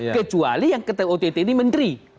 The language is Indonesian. kecuali yang ott ini menteri